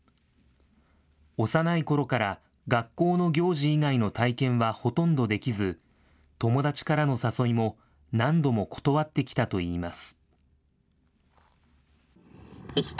幼いころから学校の行事以外の体験はほとんどできず、友達からの誘いも何度も断ってきたといいます。